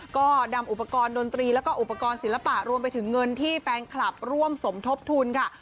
ก็นำอุปกรณ์ดนตรีแล้วก็อุปกรณ์ศิลปะรวมไปถึงเงินที่แฟนคลับร่วมสมทบทุนค่ะ